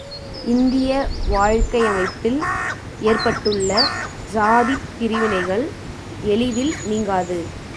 இந்திய வாழ்க்கையமைப்பில் ஏற்பட்டுள்ள சாதிப் பிரிவினைகள் எளிதில் நீங்காது.